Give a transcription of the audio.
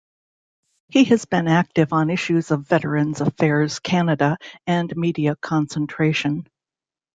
He has been active on issues of Veterans Affairs Canada and media concentration.